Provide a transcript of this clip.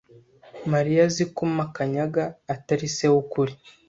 Mariya azi ko Makanyaga atari se wukuri.